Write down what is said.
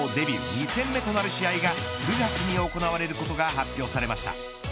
２戦目となる試合が９月に行われることが発表されました。